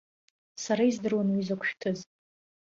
Сара издыруан уи закә шәҭыз.